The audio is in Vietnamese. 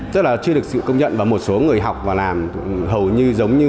rất là chưa được sự công nhận và một số người học và làm hầu như giống như